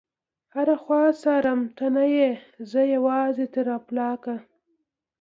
هره خوا څارم ته نه يې، زه یوازي تر افلاکه